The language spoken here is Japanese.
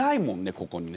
ここにね。